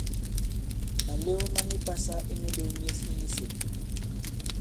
Màlew ma ni pasa i mīlēw myes i kisèp.